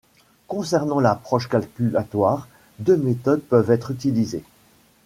Concernant l’approche calculatoire, deux méthodes peuvent être utilisées.